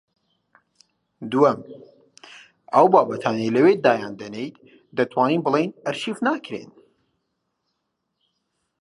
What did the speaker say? دووەم: ئەو بابەتانەی لەوێ دایان دەنێیت دەتوانین بڵێین ئەرشیف ناکرێن